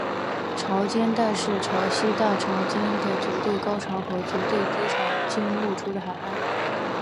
潮间带是在潮汐大潮期的绝对高潮和绝对低潮间露出的海岸。